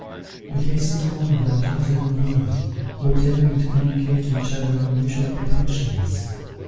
We hastened on without uttering a word, or daring to communicate to each other our mutual apprehensions.